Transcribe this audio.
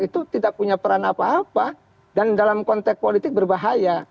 itu tidak punya peran apa apa dan dalam konteks politik berbahaya